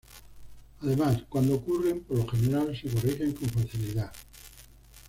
Además, cuando ocurren, por lo general se corrigen con facilidad.